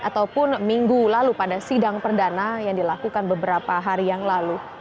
ataupun minggu lalu pada sidang perdana yang dilakukan beberapa hari yang lalu